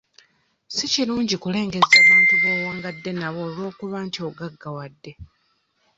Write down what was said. Si kirungi kulengezza bantu b'owangadde nabo olw'okuba nti ogaggawadde.